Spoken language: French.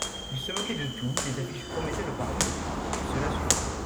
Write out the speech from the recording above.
Il se moquait de tout, les affiches promettaient le pardon, et cela suffisait.